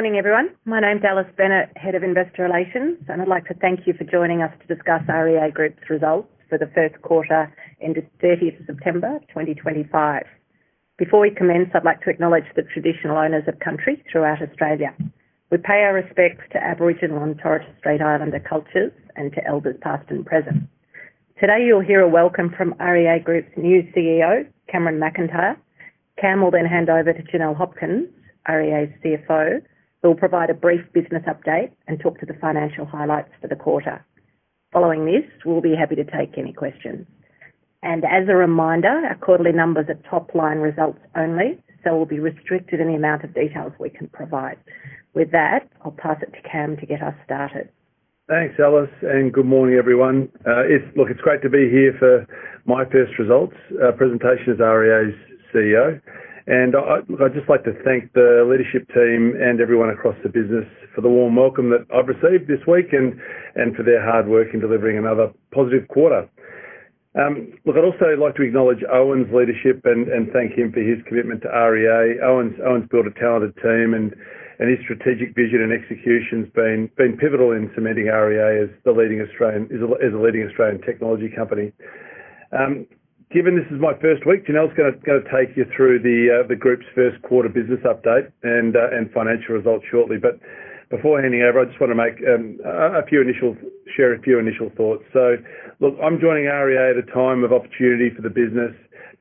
Morning, everyone. My name's Alice Bennett, Head of Investor Relations, and I'd like to thank you for joining us to discuss our REA Group's results for the first quarter ended 30th September 2025. Before we commence, I'd like to acknowledge the traditional owners of country throughout Australia. We pay our respects to Aboriginal and Torres Strait Islander cultures and to elders past and present. Today, you'll hear a welcome from REA Group's new CEO, Cameron McIntyre. Cam will then hand over to Janelle Hopkins, REA's CFO, who will provide a brief business update and talk to the financial highlights for the quarter. Following this, we'll be happy to take any questions. As a reminder, our quarterly numbers are top-line results only, so we'll be restricted in the amount of details we can provide. With that, I'll pass it to Cam to get us started. Thanks, Alice, and good morning, everyone. Look, it's great to be here for my first results presentation as REA's CEO. I'd just like to thank the leadership team and everyone across the business for the warm welcome that I've received this week and for their hard work in delivering another positive quarter. I'd also like to acknowledge Owen's leadership and thank him for his commitment to REA. Owen's built a talented team, and his strategic vision and execution have been pivotal in cementing REA as the leading Australian technology company. Given this is my first week, Janelle's going to take you through the group's first quarter business update and financial results shortly. Before handing over, I just want to share a few initial thoughts. I'm joining REA at a time of opportunity for the business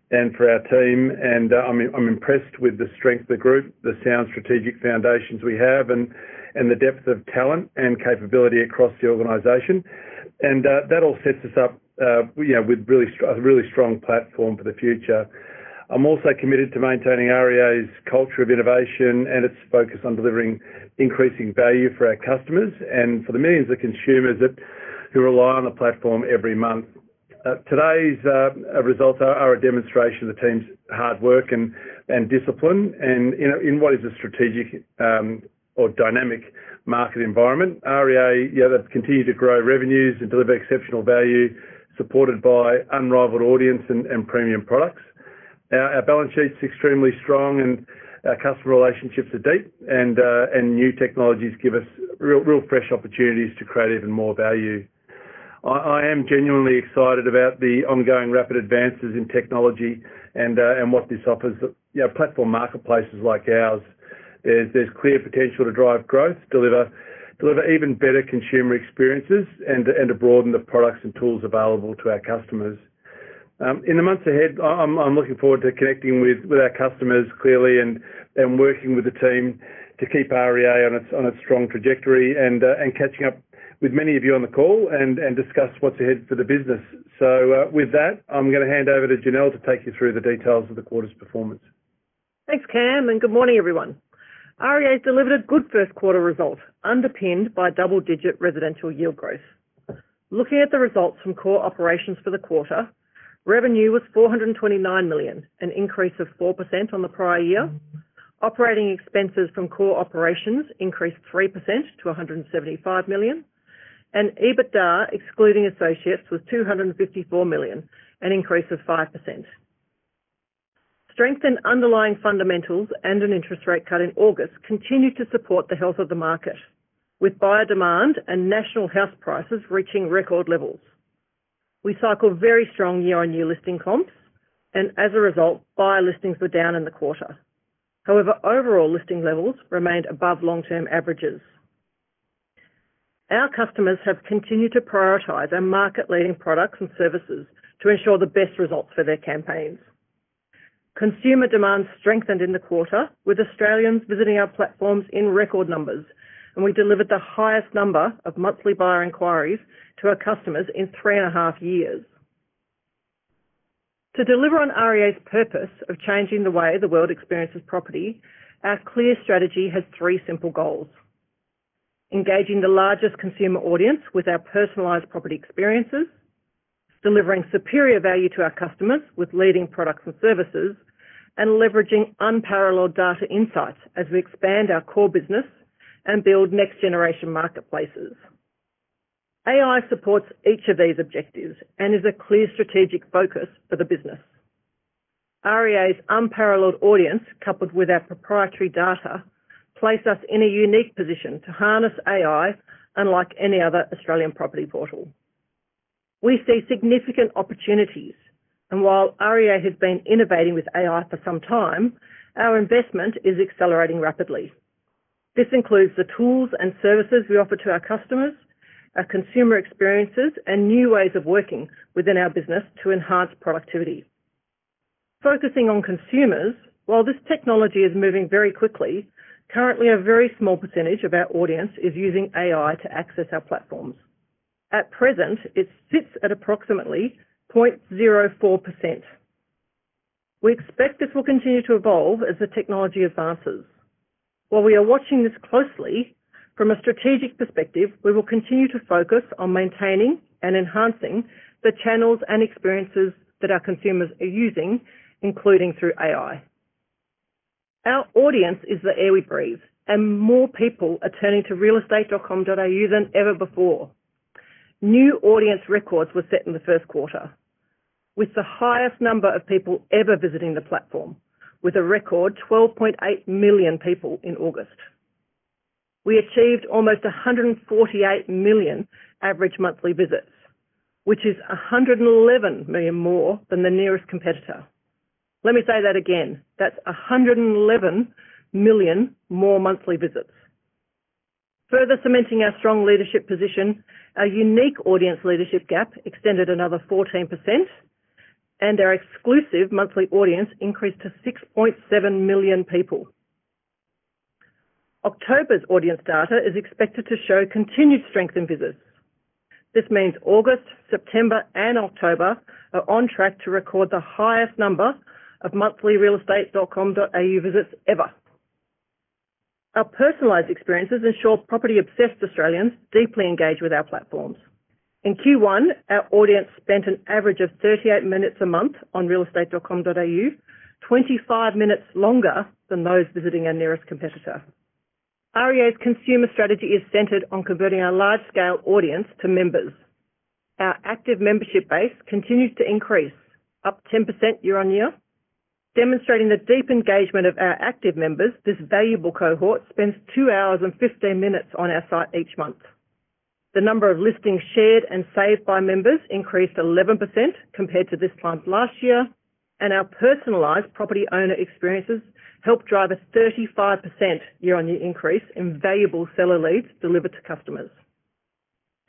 and for our team, and I'm impressed with the strength of the group, the sound strategic foundations we have, and the depth of talent and capability across the organization. That all sets us up with a really strong platform for the future. I'm also committed to maintaining REA's culture of innovation and its focus on delivering increasing value for our customers and for the millions of consumers who rely on the platform every month. Today's results are a demonstration of the team's hard work and discipline. In what is a strategic or dynamic market environment, REA have continued to grow revenues and deliver exceptional value, supported by unrivaled audience and premium products. Our balance sheet's extremely strong, and our customer relationships are deep, and new technologies give us real fresh opportunities to create even more value. I am genuinely excited about the ongoing rapid advances in technology and what this offers platform marketplaces like ours. There's clear potential to drive growth, deliver even better consumer experiences, and to broaden the products and tools available to our customers. In the months ahead, I'm looking forward to connecting with our customers clearly and working with the team to keep REA on its strong trajectory and catching up with many of you on the call and discuss what's ahead for the business. With that, I'm going to hand over to Janelle to take you through the details of the quarter's performance. Thanks, Cam, and good morning, everyone. REA's delivered a good first quarter result, underpinned by double-digit residential yield growth. Looking at the results from core operations for the quarter, revenue was 429 million, an increase of 4% on the prior year. Operating expenses from core operations increased 3% to 175 million, and EBITDA, excluding associates, was 254 million, an increase of 5%. Strengthened underlying fundamentals and an interest rate cut in August continued to support the health of the market, with buyer demand and national house prices reaching record levels. We cycled very strong year-on-year listing comps, and as a result, buyer listings were down in the quarter. However, overall listing levels remained above long-term averages. Our customers have continued to prioritize our market-leading products and services to ensure the best results for their campaigns. Consumer demand strengthened in the quarter, with Australians visiting our platforms in record numbers, and we delivered the highest number of monthly buyer inquiries to our customers in three and a half years. To deliver on REA's purpose of changing the way the world experiences property, our clear strategy has three simple goals: engaging the largest consumer audience with our personalized property experiences, delivering superior value to our customers with leading products and services, and leveraging unparalleled data insights as we expand our core business and build next-generation marketplaces. AI supports each of these objectives and is a clear strategic focus for the business. REA's unparalleled audience, coupled with our proprietary data, places us in a unique position to harness AI unlike any other Australian property portal. We see significant opportunities, and while REA has been innovating with AI for some time, our investment is accelerating rapidly. This includes the tools and services we offer to our customers, our consumer experiences, and new ways of working within our business to enhance productivity. Focusing on consumers, while this technology is moving very quickly, currently a very small percentage of our audience is using AI to access our platforms. At present, it sits at approximately 0.04%. We expect this will continue to evolve as the technology advances. While we are watching this closely, from a strategic perspective, we will continue to focus on maintaining and enhancing the channels and experiences that our consumers are using, including through AI. Our audience is the air we breathe, and more people are turning to realestate.com.au than ever before. New audience records were set in the first quarter, with the highest number of people ever visiting the platform, with a record 12.8 million people in August. We achieved almost 148 million average monthly visits, which is 111 million more than the nearest competitor. Let me say that again. That's 111 million more monthly visits. Further cementing our strong leadership position, our unique audience leadership gap extended another 14%, and our exclusive monthly audience increased to 6.7 million people. October's audience data is expected to show continued strength in visits. This means August, September, and October are on track to record the highest number of monthly realestate.com.au visits ever. Our personalized experiences ensure property-obsessed Australians deeply engage with our platforms. In Q1, our audience spent an average of 38 minutes a month on realestate.com.au, 25 minutes longer than those visiting our nearest competitor. REA's consumer strategy is centered on converting our large-scale audience to members. Our active membership base continues to increase, up 10% year-on-year, demonstrating the deep engagement of our active members. This valuable cohort spends two hours and 15 minutes on our site each month. The number of listings shared and saved by members increased 11% compared to this time last year, and our personalized property owner experiences helped drive a 35% year-on-year increase in valuable seller leads delivered to customers.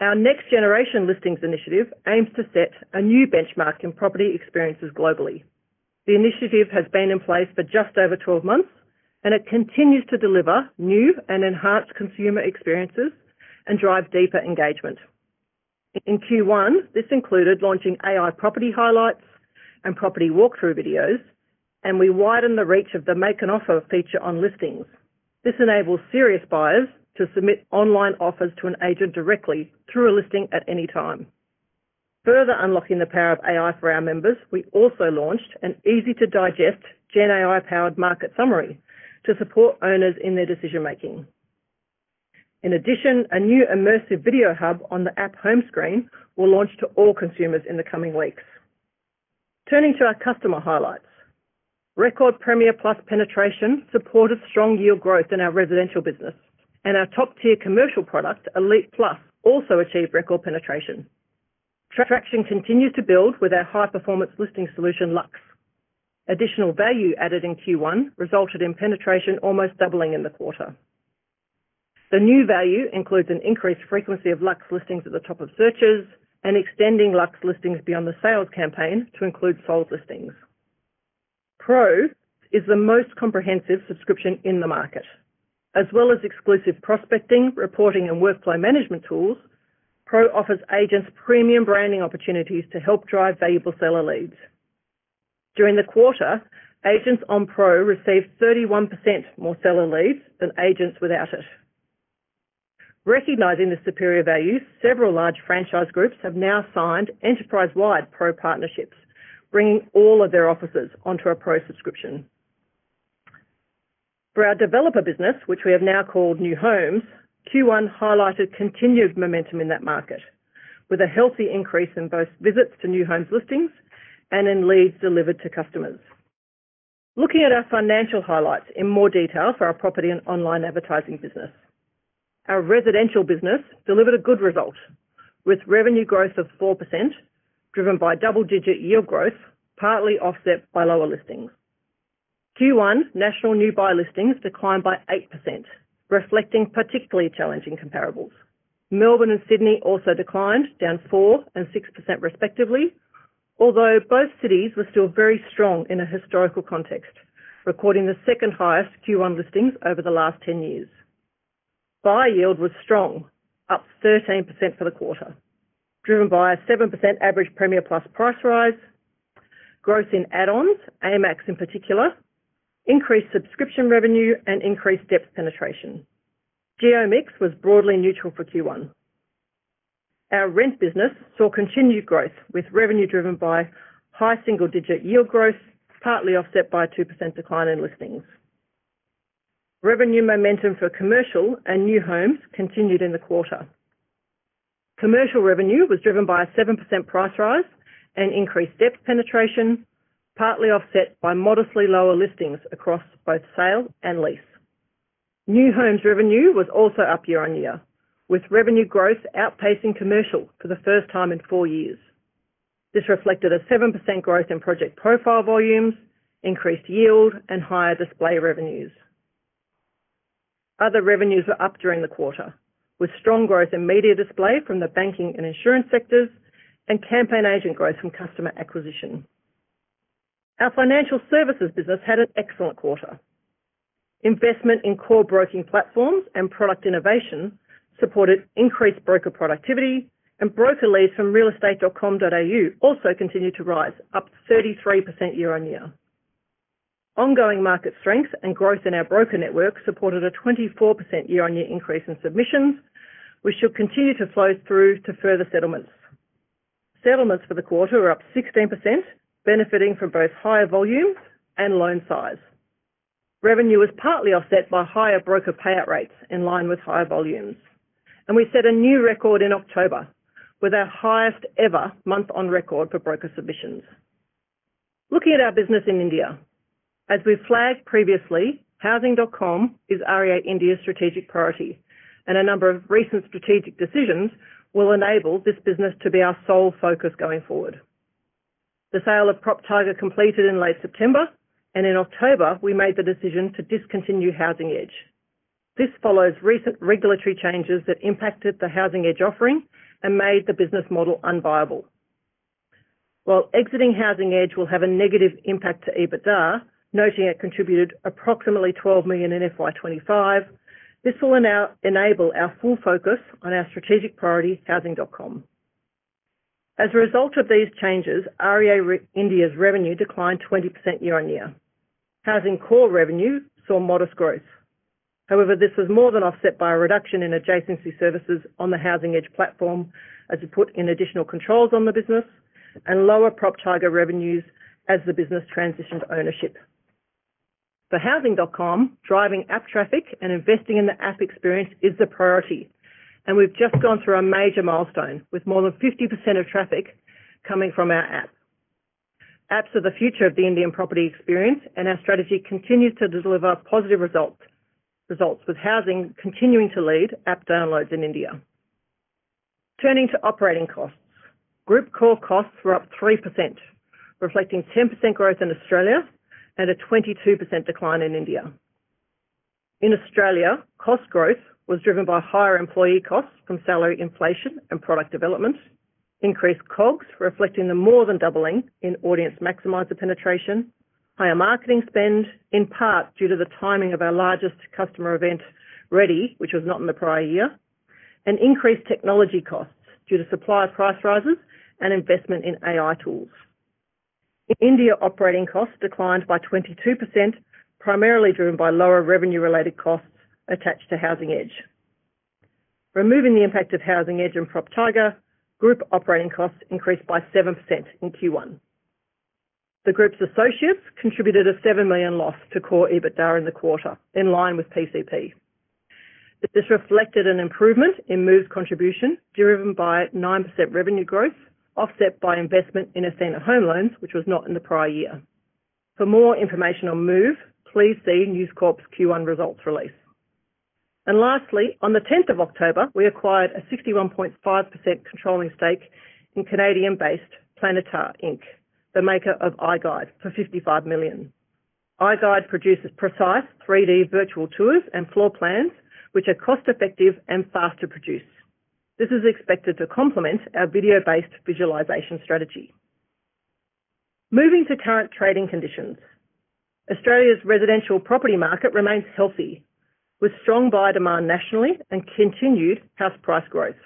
Our next-generation listings initiative aims to set a new benchmark in property experiences globally. The initiative has been in place for just over 12 months, and it continues to deliver new and enhanced consumer experiences and drive deeper engagement. In Q1, this included launching AI Property Highlights and Property Walkthrough Videos, and we widened the reach of the Make an Offer feature on listings. This enables serious buyers to submit online offers to an agent directly through a listing at any time. Further unlocking the power of AI for our members, we also launched an easy-to-digest GenAI-powered market summary to support owners in their decision-making. In addition, a new Immersive Video Hub on the app home screen will launch to all consumers in the coming weeks. Turning to our customer highlights, record Premier Plus penetration supported strong yield growth in our residential business, and our top-tier commercial product, Elite Plus, also achieved record penetration. Traction continues to build with our high-performance listing solution, Luxe. Additional value added in Q1 resulted in penetration almost doubling in the quarter. The new value includes an increased frequency of Luxe listings at the top of searches and extending Luxe listings beyond the sales campaign to include sold listings. Pro is the most comprehensive subscription in the market. As well as exclusive prospecting, reporting, and workflow management tools, Pro offers agents premium branding opportunities to help drive valuable seller leads. During the quarter, agents on Pro received 31% more seller leads than agents without it. Recognizing the superior value, several large franchise groups have now signed enterprise-wide Pro partnerships, bringing all of their offices onto a Pro subscription. For our developer business, which we have now called New Homes, Q1 highlighted continued momentum in that market, with a healthy increase in both visits to New Homes listings and in leads delivered to customers. Looking at our financial highlights in more detail for our property and online advertising business, our residential business delivered a good result, with revenue growth of 4%, driven by double-digit yield growth, partly offset by lower listings. Q1, national new buy listings declined by 8%, reflecting particularly challenging comparables. Melbourne and Sydney also declined, down 4% and 6% respectively, although both cities were still very strong in a historical context, recording the second-highest Q1 listings over the last 10 years. Buy yield was strong, up 13% for the quarter, driven by a 7% average Premier Plus price rise, growth in add-ons, [AMACs] in particular, increased subscription revenue, and increased depth penetration. Geo-Mix was broadly neutral for Q1. Our rent business saw continued growth, with revenue driven by high single-digit yield growth, partly offset by a 2% decline in listings. Revenue momentum for commercial and New Homes continued in the quarter. Commercial revenue was driven by a 7% price rise and increased depth penetration, partly offset by modestly lower listings across both sale and lease. New Homes revenue was also up year-on-year, with revenue growth outpacing commercial for the first time in four years. This reflected a 7% growth in project profile volumes, increased yield, and higher display revenues. Other revenues were up during the quarter, with strong growth in media display from the banking and insurance sectors and campaign agent growth from customer acquisition. Our financial services business had an excellent quarter. Investment in core broking platforms and product innovation supported increased broker productivity, and broker leads from realestate.com.au also continued to rise, up 33% year-on-year. Ongoing market strength and growth in our broker network supported a 24% year-on-year increase in submissions, which should continue to flow through to further settlements. Settlements for the quarter were up 16%, benefiting from both higher volumes and loan size. Revenue was partly offset by higher broker payout rates in line with higher volumes, and we set a new record in October with our highest-ever month-on-record for broker submissions. Looking at our business in India, as we flagged previously, housing.com is REA India's strategic priority, and a number of recent strategic decisions will enable this business to be our sole focus going forward. The sale of PropTiger completed in late September, and in October, we made the decision to discontinue Housing Edge. This follows recent regulatory changes that impacted the Housing Edge offering and made the business model unviable. While exiting Housing Edge will have a negative impact to EBITDA, noting it contributed approximately 12 million in FY2025, this will enable our full focus on our strategic priority, housing.com. As a result of these changes, REA India's revenue declined 20% year-on-year. Housing core revenue saw modest growth. However, this was more than offset by a reduction in adjacency services on the Housing Edge platform, as it put in additional controls on the business and lower PropTiger revenues as the business transitioned ownership. For Housing.com, driving app traffic and investing in the app experience is the priority, and we've just gone through a major milestone with more than 50% of traffic coming from our app. Apps are the future of the Indian property experience, and our strategy continues to deliver positive results, with Housing continuing to lead app downloads in India. Turning to operating costs, Group Core Costs were up 3%, reflecting 10% growth in Australia and a 22% decline in India. In Australia, cost growth was driven by higher employee costs from salary inflation and product development, increased COGS reflecting the more than doubling in Audience Maximizer penetration, higher marketing spend, in part due to the timing of our largest customer event, READY, which was not in the prior year, and increased technology costs due to supplier price rises and investment in AI tools. In India, operating costs declined by 22%, primarily driven by lower revenue-related costs attached to Housing Edge. Removing the impact of Housing Edge and PropTiger, Group operating costs increased by 7% in Q1. The Group's associates contributed a $7 million loss to core EBITDA in the quarter, in line with PCP. This reflected an improvement in Moove's contribution, driven by 9% revenue growth, offset by investment in Ascendant Home Loans, which was not in the prior year. For more information on Moove, please see News Corp's Q1 results release. Lastly, on the 10th of October, we acquired a 61.5% controlling stake in Canada-based Planitar Inc., the maker of iGuide, for 55 million. iGuide produces precise 3D virtual tours and floor plans, which are cost-effective and fast to produce. This is expected to complement our video-based visualization strategy. Moving to current trading conditions, Australia's residential property market remains healthy, with strong buy demand nationally and continued house price growth.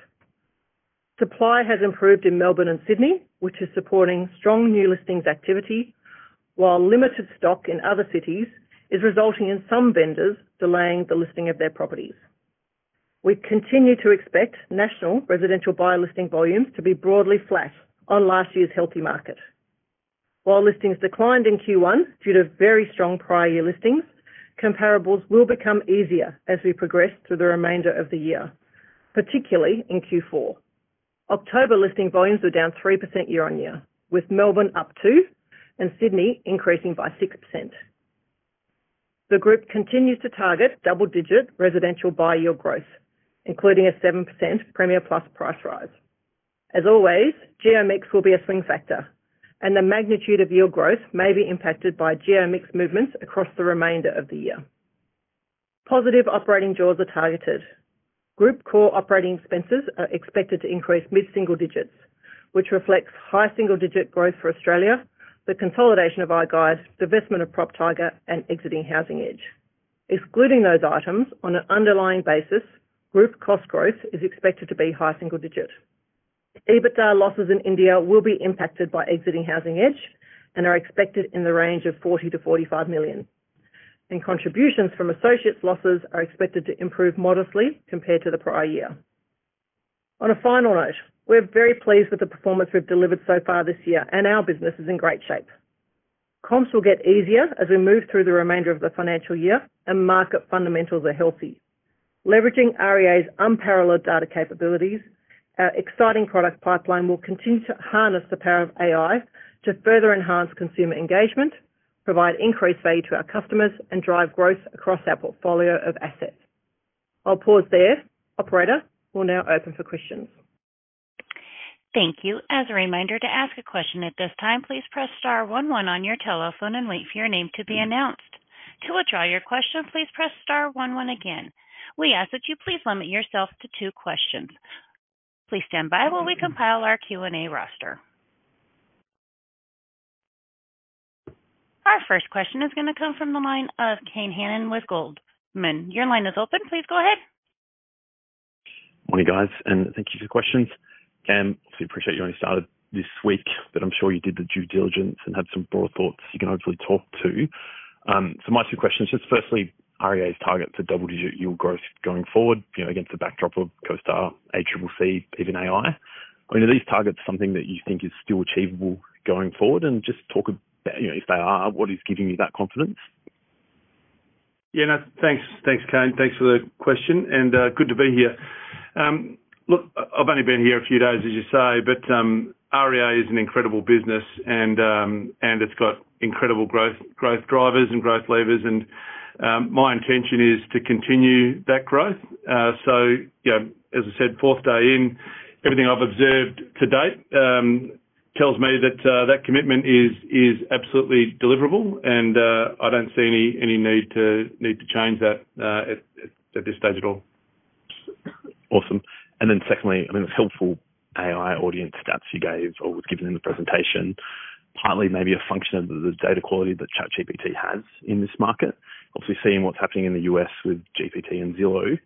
Supply has improved in Melbourne and Sydney, which is supporting strong new listings activity, while limited stock in other cities is resulting in some vendors delaying the listing of their properties. We continue to expect national residential buy listing volumes to be broadly flat on last year's healthy market. While listings declined in Q1 due to very strong prior year listings, comparables will become easier as we progress through the remainder of the year, particularly in Q4. October listing volumes were down 3% year-on-year, with Melbourne up 2% and Sydney increasing by 6%. The Group continues to target double-digit residential buy yield growth, including a 7% Premier Plus price rise. As always, geo mix will be a swing factor, and the magnitude of yield growth may be impacted by geo mix movements across the remainder of the year. Positive operating draws are targeted. Group core operating expenses are expected to increase mid-single digits, which reflects high single-digit growth for Australia, the consolidation of iGuide, divestment of PropTiger, and exiting Housing Edge. Excluding those items, on an underlying basis, Group cost growth is expected to be high single digit. EBITDA losses in India will be impacted by exiting Housing Edge and are expected in the range of 40 million-45 million, and contributions from associates' losses are expected to improve modestly compared to the prior year. On a final note, we're very pleased with the performance we've delivered so far this year, and our business is in great shape. Comps will get easier as we move through the remainder of the financial year, and market fundamentals are healthy. Leveraging REA's unparalleled data capabilities, our exciting product pipeline will continue to harness the power of AI to further enhance consumer engagement, provide increased value to our customers, and drive growth across our portfolio of assets. I'll pause there. Operator, we'll now open for questions. Thank you. As a reminder, to ask a question at this time, please press star one one on your telephone and wait for your name to be announced. To withdraw your question, please press star one one again. We ask that you please limit yourself to two questions. Please stand by while we compile our Q&A roster. Our first question is going to come from the line of Kane Hannan with Goldman Sachs. Your line is open. Please go ahead. Morning, guys, and thank you for your questions., obviously, appreciate you only started this week, but I'm sure you did the due diligence and had some broad thoughts you can hopefully talk to. So my two questions are just, firstly, REA's target for double-digit yield growth going forward against the backdrop of CoStar, ACCC, even AI. I mean, are these targets something that you think is still achievable going forward? Just talk about, if they are, what is giving you that confidence? Yeah, no, thanks, thanks, Kane. Thanks for the question, and good to be here. Look, I've only been here a few days, as you say, but REA is an incredible business, and it's got incredible growth drivers and growth levers. My intention is to continue that growth. As I said, fourth day in, everything I've observed to date tells me that that commitment is absolutely deliverable, and I don't see any need to change that at this stage at all. Awesome. Secondly, I mean, it's helpful. AI audience stats you gave or was given in the presentation, partly maybe a function of the data quality that ChatGPT has in this market. Obviously, seeing what's happening in the U.S. with GPT and Zillow,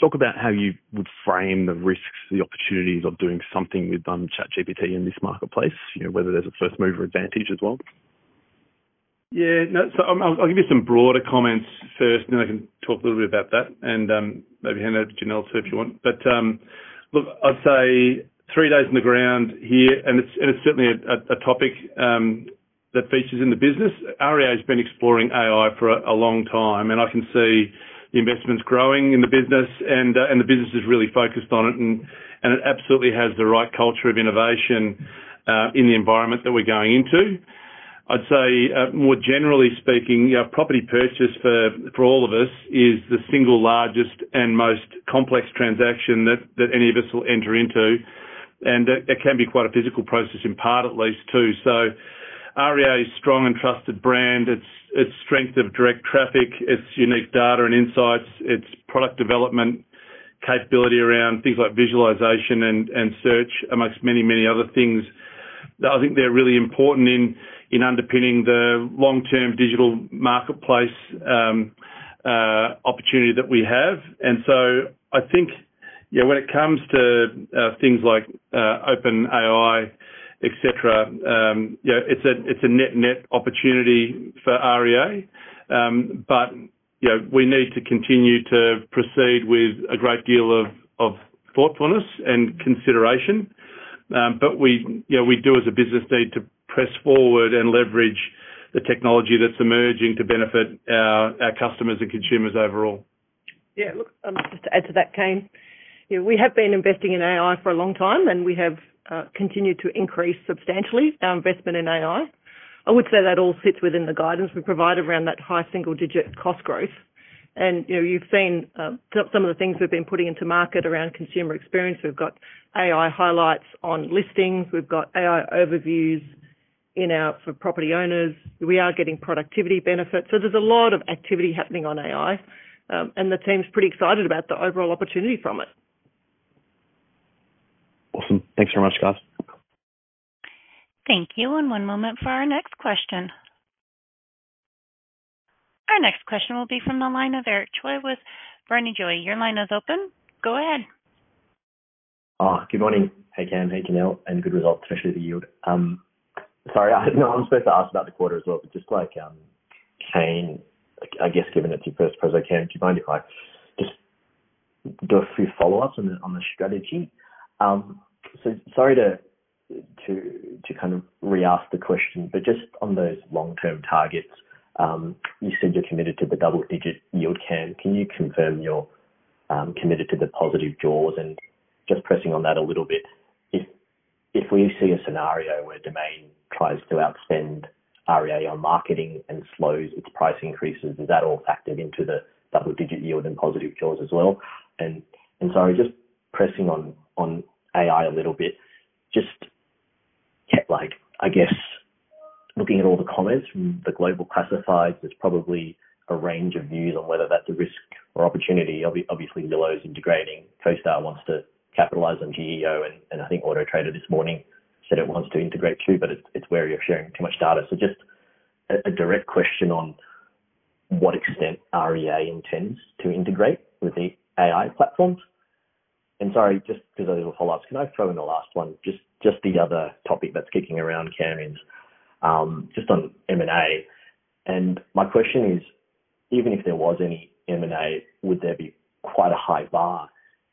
talk about how you would frame the risks, the opportunities of doing something with ChatGPT in this marketplace, whether there's a first-mover advantage as well. Yeah, no, so I'll give you some broader comments first, and then I can talk a little bit about that, and maybe hand that to Janelle too if you want. Look, I'd say three days on the ground here, and it's certainly a topic that features in the business. REA has been exploring AI for a long time, and I can see the investments growing in the business, and the business is really focused on it, and it absolutely has the right culture of innovation in the environment that we're going into. I'd say, more generally speaking, property purchase for all of us is the single largest and most complex transaction that any of us will enter into, and it can be quite a physical process in part, at least, too. REA is a strong and trusted brand. Its strength of direct traffic, its unique data and insights, its product development capability around things like visualization and search, amongst many, many other things that I think are really important in underpinning the long-term digital marketplace opportunity that we have. I think, yeah, when it comes to things like OpenAI, etc., it's a net-net opportunity for REA, but we need to continue to proceed with a great deal of thoughtfulness and consideration. We do, as a business, need to press forward and leverage the technology that's emerging to benefit our customers and consumers overall. Yeah, look, just to add to that, Kane, we have been investing in AI for a long time, and we have continued to increase substantially our investment in AI. I would say that all sits within the guidance we provide around that high single-digit cost growth. You have seen some of the things we have been putting into market around consumer experience. We have got AI highlights on listings. We have got AI overviews for property owners. We are getting productivity benefits. There is a lot of activity happening on AI, and the team's pretty excited about the overall opportunity from it. Awesome. Thanks very much, guys. Thank you. One moment for our next question. Our next question will be from the line of Eric Choi with Barrenjoey. Your line is open. Go ahead. Good morning. Hey, Kane. Hey, Janelle. Good results, especially the yield. Sorry, I know I'm supposed to ask about the quarter as well, but just like, Kane, I guess, given it's your first presentation, do you mind if I just do a few follow-ups on the strategy? Sorry to kind of re-ask the question, but just on those long-term targets, you said you're committed to the double-digit yield, Kane. Can you confirm you're committed to the positive draws? Just pressing on that a little bit, if we see a scenario where Domain tries to outspend REA on marketing and slows its price increases, is that all factored into the double-digit yield and positive draws as well? Sorry, just pressing on AI a little bit, just, I guess, looking at all the comments from the Global Classifieds, there's probably a range of views on whether that's a risk or opportunity. Obviously, Zillow is integrating. CoStar wants to capitalize on geo, and I think Autotrader this morning said it wants to integrate too, but it's wary of sharing too much data. Just a direct question on what extent REA intends to integrate with the AI platforms. Sorry, just because of those follow-ups, can I throw in the last one? The other topic that's kicking around, [current], just on M&A. My question is, even if there was any M&A, would there be quite a high bar?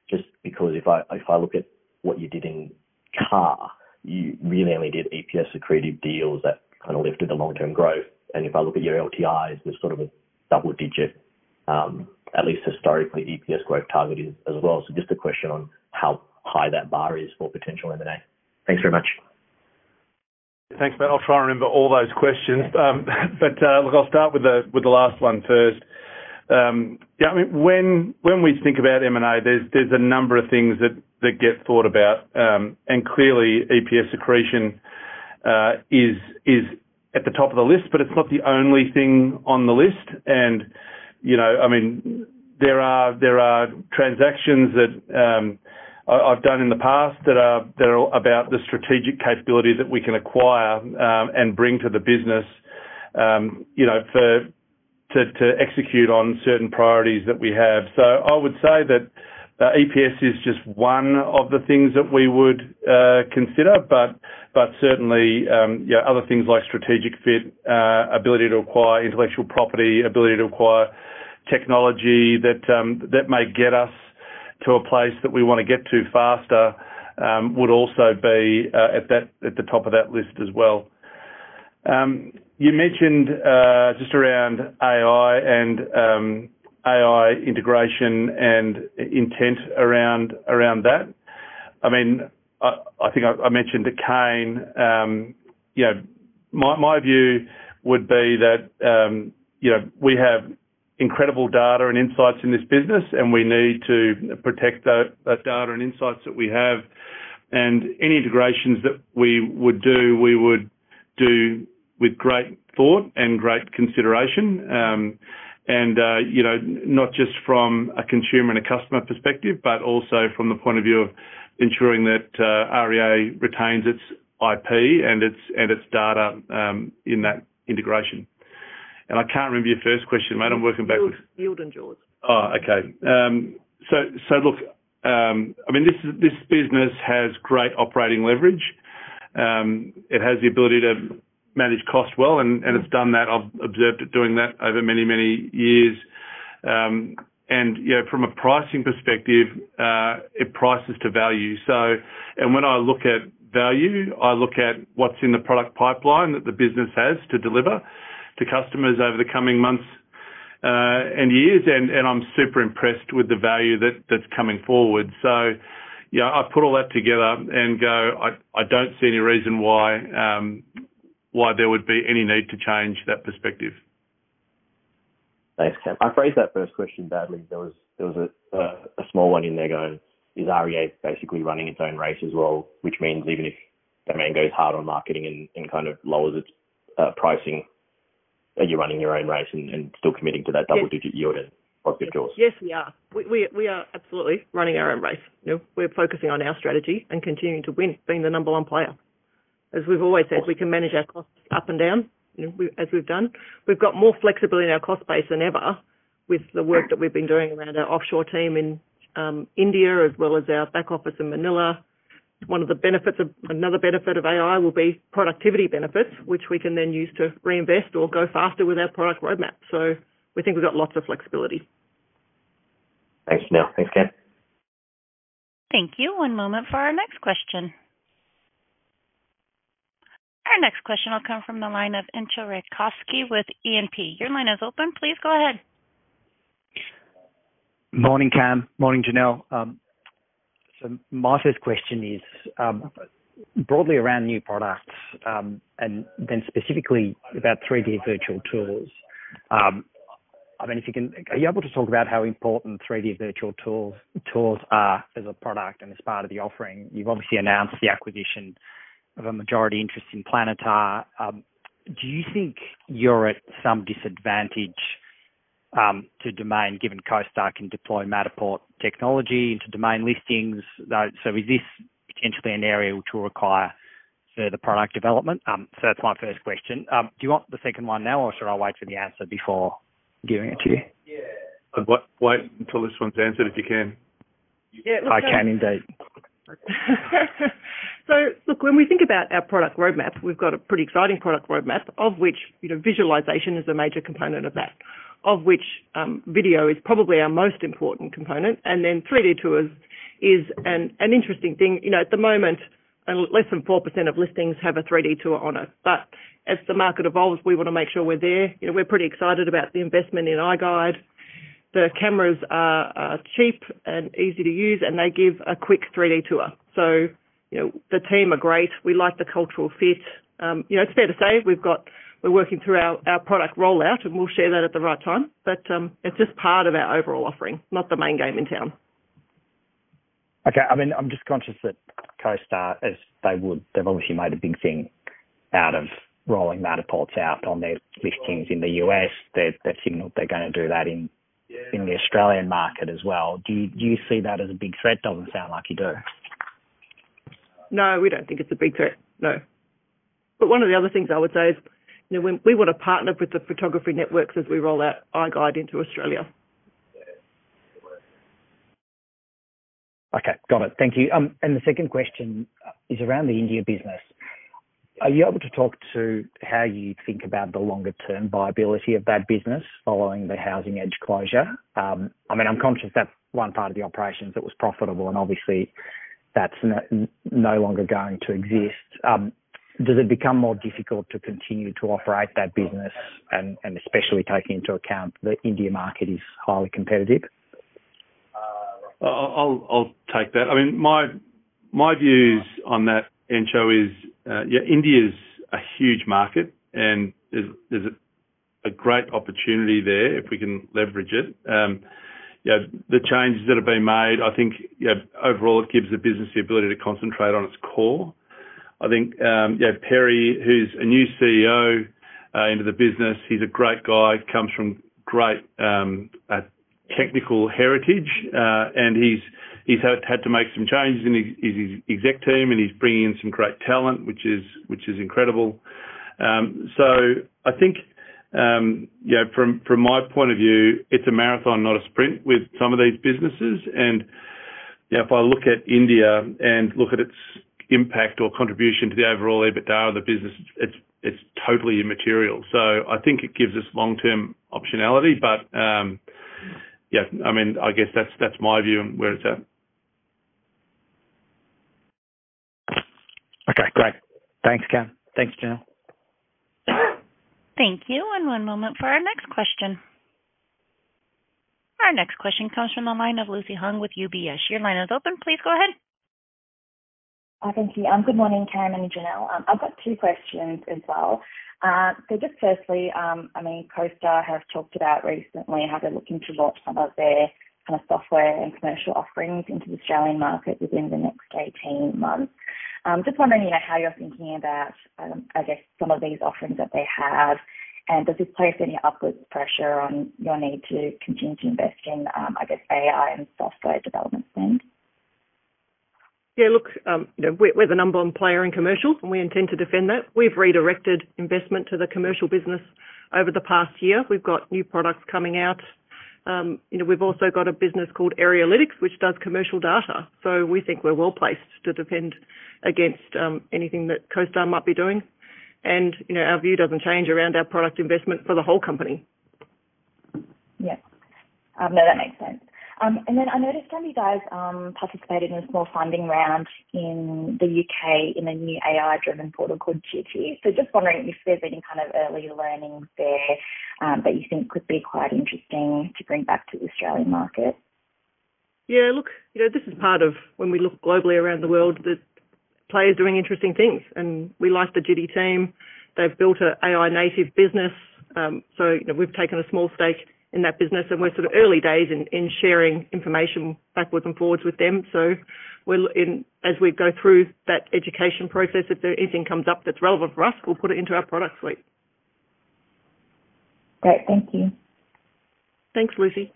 If I look at what you did in car, you really only did EPS-accretive deals that kind of lifted the long-term growth. If I look at your LTIs, there's sort of a double-digit, at least historically, EPS growth targeted as well. Just a question on how high that bar is for potential M&A. Thanks very much. Thanks, [better] I'll try and remember all those questions. But look, I'll start with the last one first. Yeah, I mean, when we think about M&A, there's a number of things that get thought about. And clearly, EPS accretion is at the top of the list, but it's not the only thing on the list. And I mean, there are transactions that I've done in the past that are about the strategic capability that we can acquire and bring to the business to execute on certain priorities that we have. So I would say that EPS is just one of the things that we would consider, but certainly other things like strategic fit, ability to acquire intellectual property, ability to acquire technology that may get us to a place that we want to get to faster would also be at the top of that list as well. You mentioned just around AI and AI integration and intent around that. I mean, I think I mentioned to Kane, my view would be that we have incredible data and insights in this business, and we need to protect that data and insights that we have. Any integrations that we would do, we would do with great thought and great consideration, not just from a consumer and a customer perspective, but also from the point of view of ensuring that REA retains its IP and its data in that integration. I can't remember your first question, mate. I'm working backwards. Yield and draws. Oh, okay. Look, I mean, this business has great operating leverage. It has the ability to manage cost well, and it's done that. I've observed it doing that over many, many years. From a pricing perspective, it prices to value. When I look at value, I look at what's in the product pipeline that the business has to deliver to customers over the coming months and years, and I'm super impressed with the value that's coming forward. I put all that together and go, I don't see any reason why there would be any need to change that perspective. Thanks, Cam. I phrased that first question badly. There was a small one in there going, is REA basically running its own race as well, which means even if Domain goes hard on marketing and kind of lowers its pricing, are you running your own race and still committing to that double-digit yield and positive draws? Yes, we are. We are absolutely running our own race. We're focusing on our strategy and continuing to win, being the number one player. As we've always said, we can manage our costs up and down, as we've done. We've got more flexibility in our cost base than ever with the work that we've been doing around our offshore team in India as well as our back office in Manila. One of the benefits of another benefit of AI will be productivity benefits, which we can then use to reinvest or go faster with our product roadmap. We think we've got lots of flexibility. Thanks, Janelle. Thanks, Cam. Thank you. One moment for our next question. Our next question will come from the line of Enzo Rekoski with E&P. Your line is open. Please go ahead. Morning, Cam. Morning, Janelle. My first question is broadly around new products and then specifically about 3D virtual tools. I mean, if you can, are you able to talk about how important 3D virtual tours are as a product and as part of the offering? You've obviously announced the acquisition of a majority interest in Planitar. Do you think you're at some disadvantage to Domain given CoStar can deploy Matterport technology into Domain listings? Is this potentially an area which will require further product development? That's my first question. Do you want the second one now, or should I wait for the answer before giving it to you? Yeah. Wait until this one's answered, if you can. Yeah, if I can indeed. Look, when we think about our product roadmap, we've got a pretty exciting product roadmap, of which visualization is a major component, of which video is probably our most important component, and then 3D tours is an interesting thing. At the moment, less than 4% of listings have a 3D tour on it. As the market evolves, we want to make sure we're there. We're pretty excited about the investment in iGuide. The cameras are cheap and easy to use, and they give a quick 3D tour. The team are great. We like the cultural fit. It's fair to say we're working through our product rollout, and we'll share that at the right time. It's just part of our overall offering, not the main game in town. Okay. I mean, I'm just conscious that CoStar, as they would, they've obviously made a big thing out of rolling Matterport out on their listings in the US. They've signaled they're going to do that in the Australian market as well. Do you see that as a big threat? Doesn't sound like you do. No, we do not think it is a big threat. No. One of the other things I would say is we want to partner with the Photography Networks as we roll out iGuide into Australia. Okay. Got it. Thank you. The second question is around the India business. Are you able to talk to how you think about the longer-term viability of that business following the Housing Edge closure? I mean, I am conscious that is one part of the operations that was profitable, and obviously, that is no longer going to exist. Does it become more difficult to continue to operate that business, and especially taking into account the India market is highly competitive? I will take that. I mean, my views on that, Enzo, is India is a huge market, and there is a great opportunity there if we can leverage it. The changes that have been made, I think overall, it gives the business the ability to concentrate on its core. I think Perry, who's a new CEO into the business, he's a great guy. He comes from great technical heritage, and he's had to make some changes in his exec team, and he's bringing in some great talent, which is incredible. I think from my point of view, it's a marathon, not a sprint with some of these businesses. If I look at India and look at its impact or contribution to the overall EBITDA of the business, it's totally immaterial. I think it gives us long-term optionality, but yeah, I mean, I guess that's my view on where it's at. Okay. Great. Thanks, Cam. Thanks, Janelle. Thank you. And one moment for our next question. Our next question comes from the line of Lucy Huang with UBS. Your line is open. Please go ahead. Hi, [thank you]. Good morning, Cameron, Janelle. I've got two questions as well. Just firstly, I mean, CoStar has talked about recently how they're looking to launch some of their kind of software and commercial offerings into the Australian market within the next 18 months. Just wondering how you're thinking about, I guess, some of these offerings that they have, and does this place any upward pressure on your need to continue to invest in, I guess, AI and software development spend? Yeah. Look, we're the number one player in commercial, and we intend to defend that. We've redirected investment to the commercial business over the past year. We've got new products coming out. We've also got a business called Aerialytics, which does commercial data. We think we're well placed to defend against anything that CoStar might be doing. Our view doesn't change around our product investment for the whole company. Yes. No, that makes sense. I noticed some of you guys participated in a small funding round in the U.K. in a new AI-driven portal called Jiti. Just wondering if there's any kind of early learning there that you think could be quite interesting to bring back to the Australian market. Yeah. Look, this is part of when we look globally around the world, the players are doing interesting things. We like the Jiti team. They've built an AI-native business. We've taken a small stake in that business, and we're sort of early days in sharing information backwards and forwards with them. As we go through that education process, if anything comes up that's relevant for us, we'll put it into our product suite. Great. Thank you. Thanks, Lucy.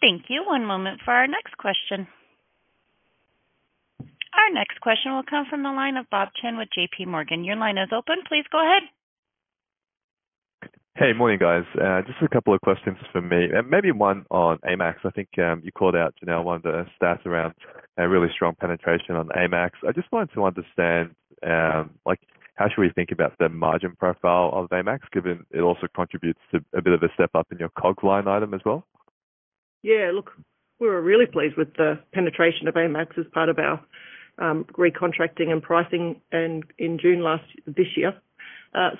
Thank you. One moment for our next question. Our next question will come from the line of Bob Chen with JPMorgan. Your line is open. Please go ahead. Hey, morning, guys. Just a couple of questions for me. Maybe one on AMAX. I think you called out, Janelle, one of the stats around a really strong penetration on AMAX. I just wanted to understand how should we think about the margin profile of AMAX, given it also contributes to a bit of a step up in your COGS line item as well? Yeah. Look, we're really pleased with the penetration of AMAX as part of our recontracting and pricing in June this year.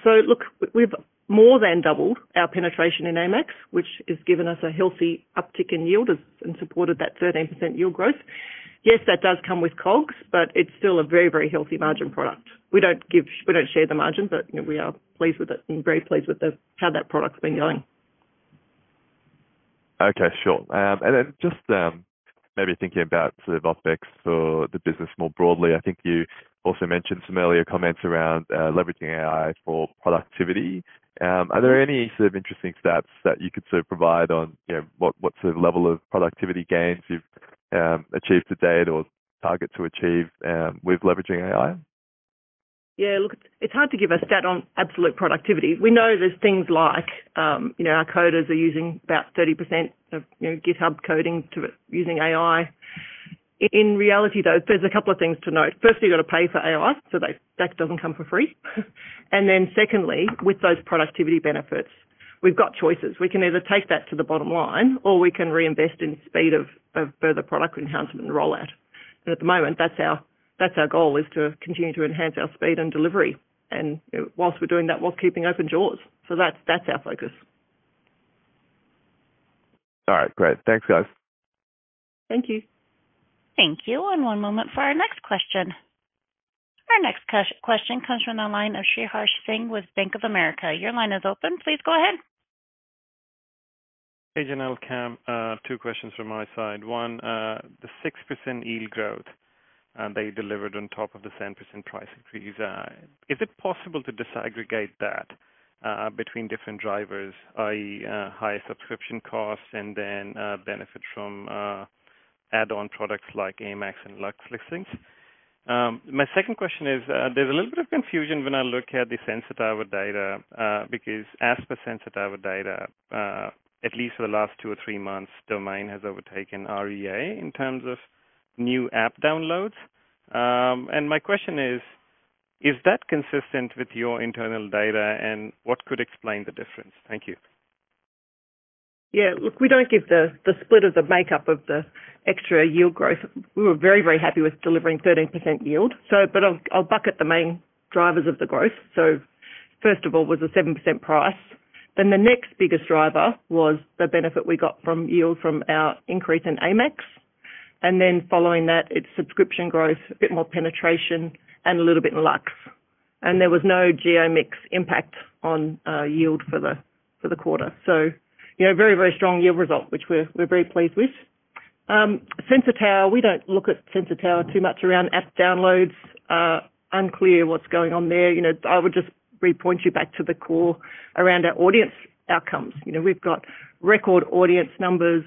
Look, we've more than doubled our penetration in AMAX, which has given us a healthy uptick in yield and supported that 13% yield growth. Yes, that does come with COGS, but it's still a very, very healthy margin product. We don't share the margin, but we are pleased with it and very pleased with how that product's been going. Okay. Sure. And then just maybe thinking about sort of OpEx for the business more broadly, I think you also mentioned some earlier comments around leveraging AI for productivity. Are there any sort of interesting stats that you could sort of provide on what sort of level of productivity gains you've achieved to date or target to achieve with leveraging AI? Yeah. Look, it's hard to give a stat on absolute productivity. We know there's things like our coders are using about 30% of GitHub coding using AI. In reality, though, there's a couple of things to note. First, you've got to pay for AI, so that doesn't come for free. Then secondly, with those productivity benefits, we've got choices. We can either take that to the bottom line, or we can reinvest in the speed of further product enhancement and rollout. At the moment, that's our goal, to continue to enhance our speed and delivery. Whilst we're doing that, we're keeping open doors. That's our focus. All right. Great. Thanks, guys. Thank you. Thank you. One moment for our next question. Our next question comes from the line of Sriharsh Singh with Bank of America. Your line is open. Please go ahead. Hey, Janelle, Cam. Two questions from my side. One, the 6% yield growth they delivered on top of the 7% price increase, is it possible to disaggregate that between different drivers, i.e., higher subscription costs and then benefit from add-on products like AMAX and Luxe listings? My second question is there's a little bit of confusion when I look at the Sensitower data because as per Sensitower data, at least for the last two or three months, Domain has overtaken REA in terms of new app downloads. And my question is, is that consistent with your internal data, and what could explain the difference? Thank you. Yeah. Look, we don't give the split of the makeup of the extra yield growth. We were very, very happy with delivering 13% yield. But I'll bucket the main drivers of the growth. So first of all was the 7% price. The next biggest driver was the benefit we got from yield from our increase in AMAX. Following that, it's subscription growth, a bit more penetration, and a little bit in Luxe. There was no geo-mix impact on yield for the quarter. Very, very strong yield result, which we're very pleased with. Sensor Tower, we don't look at Sensor Tower too much around app downloads. Unclear what's going on there. I would just repoint you back to the core around our audience outcomes. We've got record audience numbers.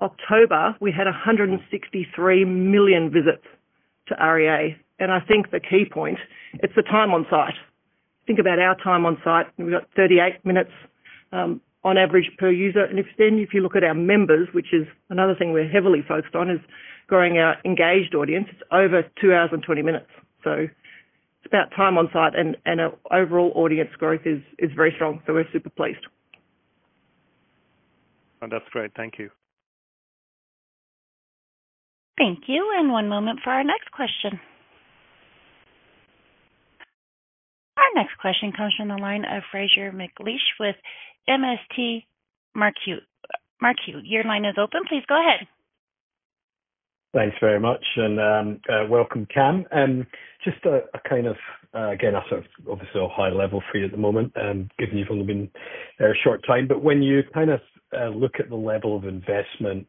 October, we had 163 million visits to REA. I think the key point, it's the time on site. Think about our time on site. We've got 38 minutes on average per user. If you look at our members, which is another thing we're heavily focused on, is growing our engaged audience. It's over 2 hours and 20 minutes. It's about time on site, and overall audience growth is very strong. We're super pleased. That's great. Thank you. Thank you. One moment for our next question. Our next question comes from the line of Fraser McLeish with MST Marquee. Your line is open. Please go ahead. Thanks very much. Welcome, Cam. Just a kind of, again, I'm sort of obviously on a high level for you at the moment, given you've only been here a short time. When you kind of look at the level of investment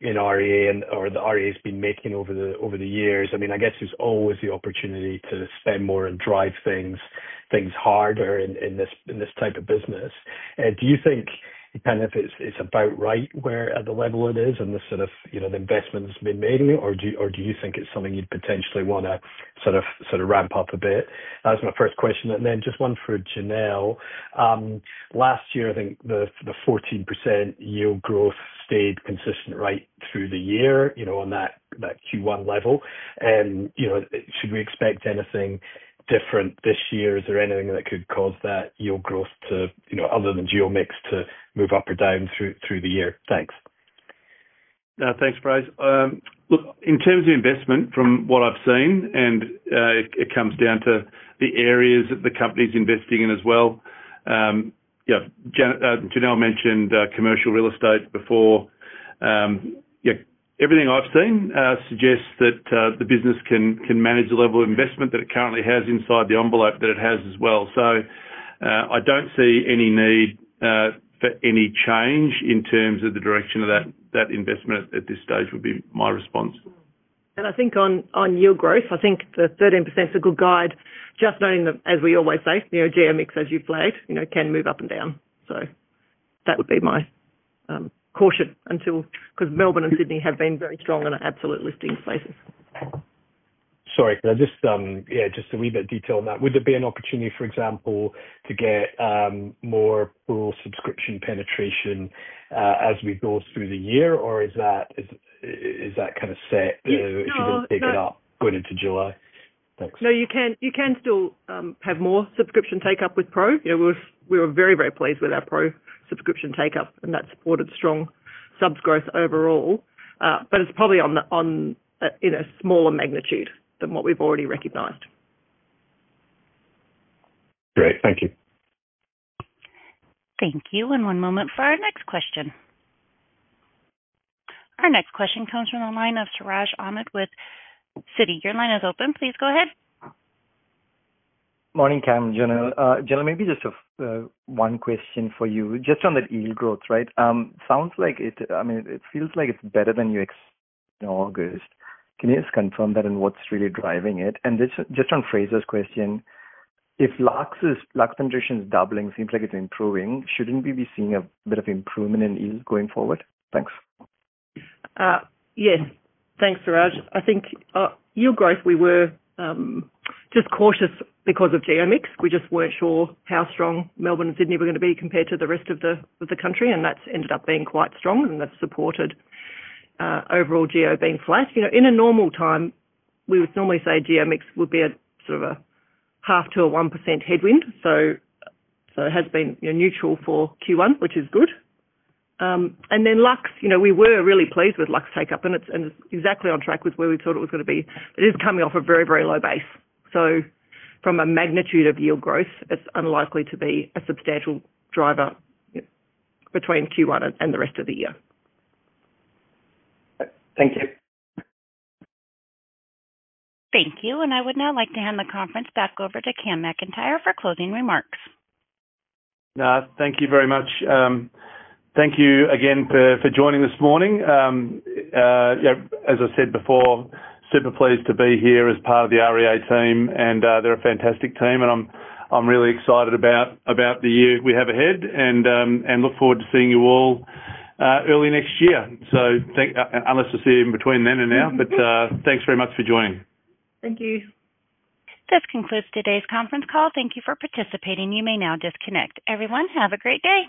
in REA and or that REA's been making over the years, I mean, I guess there's always the opportunity to spend more and drive things harder in this type of business. Do you think kind of it's about right where at the level it is and the sort of investment that's been made in it, or do you think it's something you'd potentially want to sort of ramp up a bit? That was my first question. Then just one for Janelle. Last year, I think the 14% yield growth stayed consistent right through the year on that Q1 level. Should we expect anything different this year? Is there anything that could cause that yield growth, other than geo-mix, to move up or down through the year? Thanks. Thanks, Fraser. Look, in terms of investment, from what I've seen, and it comes down to the areas that the company's investing in as well. Janelle mentioned commercial real estate before. Everything I've seen suggests that the business can manage the level of investment that it currently has inside the envelope that it has as well. I don't see any need for any change in terms of the direction of that investment at this stage would be my response. I think on yield growth, I think the 13% is a good guide. Just knowing that, as we always say, geo-mix, as you've played, can move up and down. That would be my caution because Melbourne and Sydney have been very strong in absolute listing places. Sorry. Yeah, just a wee bit of detail on that. Would there be an opportunity, for example, to get more full subscription penetration as we go through the year, or is that kind of set? If you didn't take it up, going into July? Thanks. No, you can still have more subscription take-up with Pro. We were very, very pleased with our Pro subscription take-up, and that supported strong subs growth overall. It is probably in a smaller magnitude than what we have already recognized. Great. Thank you. Thank you. One moment for our next question. Our next question comes from the line of Siraj Ahmed with Citi. Your line is open. Please go ahead. Morning, Cam and Janelle. Janelle, maybe just one question for you. Just on that yield growth, right? Sounds like it, I mean, it feels like it is better thfan UX in August. Can you just confirm that and what is really driving it? Just on Fraser's question, if Luxe penetration is doubling, seems like it is improving, should we not be seeing a bit of improvement in yield going forward? Thanks. Yes. Thanks, Siraj. I think yield growth, we were just cautious because of geo-mix. We just were not sure how strong Melbourne and Sydney were going to be compared to the rest of the country. That has ended up being quite strong, and that has supported overall geo being flat. In a normal time, we would normally say geo-mix would be sort of a half to 1% headwind. It has been neutral for Q1, which is good. Lux, we were really pleased with Lux take-up, and it is exactly on track with where we thought it was going to be. It is coming off a very, very low base. From a magnitude of yield growth, it is unlikely to be a substantial driver between Q1 and the rest of the year. Thank you. Thank you. I would now like to hand the conference back over to Cam McIntyre for closing remarks. Thank you very much. Thank you again for joining this morning. As I said before, super pleased to be here as part of the REA team. They are a fantastic team, and I'm really excited about the year we have ahead and look forward to seeing you all early next year. Unless we see you in between then and now, but thanks very much for joining. Thank you. This concludes today's conference call. Thank you for participating. You may now disconnect. Everyone, have a great day.